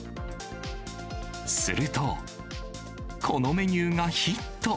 すると、このメニューがヒット。